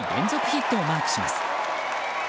ヒットをマークします。